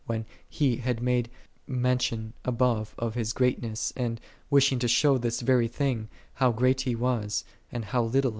6 when He had made mention above of His greatness, and, wishing to show this very thing, how great He was, and how i Tim.